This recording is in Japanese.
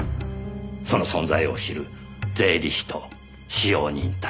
その存在を知る税理士と使用人たち。